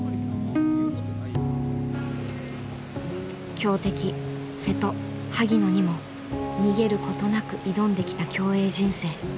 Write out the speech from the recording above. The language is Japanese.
強敵瀬戸萩野にも逃げることなく挑んできた競泳人生。